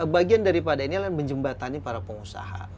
bagian daripada ini adalah menjembatani para pengusaha